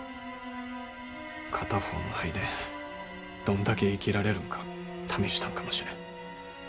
片方の肺でどんだけ生きられるんか試したんかもしれん。